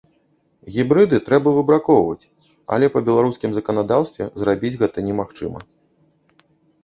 Гібрыды трэба выбракоўваць, але па беларускім заканадаўстве зрабіць гэта немагчыма.